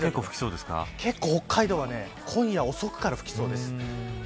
結構、北海道は今夜遅くから吹きそうです。